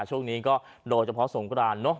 ช่วงนี้ก็โดยเฉพาะสงกรานเนอะ